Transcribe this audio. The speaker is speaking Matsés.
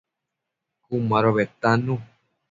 Cun mado bedtannu